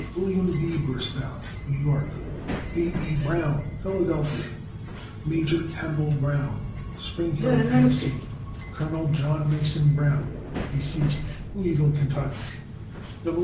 Wm. B. Bristow, New York. A. E. Brown, Philadelphia, Pa. Major Campbell Brown, Spring Hill, Tenn. Col. John Mason Brown,* Louisville, Ky.